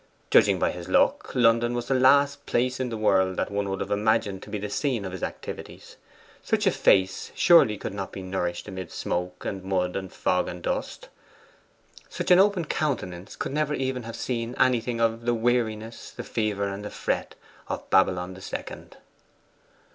Judging from his look, London was the last place in the world that one would have imagined to be the scene of his activities: such a face surely could not be nourished amid smoke and mud and fog and dust; such an open countenance could never even have seen anything of 'the weariness, the fever, and the fret' of Babylon the Second.